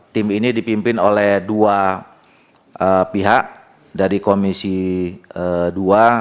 tim ini dipimpin oleh dua pihak dari komisi dua